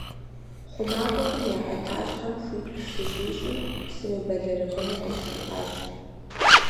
ХъумакӀуэхэм я Ӏэтащхьэм хуит сыщищӀым, сымыбэлэрыгъыну къызжиӀащ.